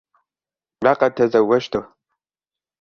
لقد تزوجته.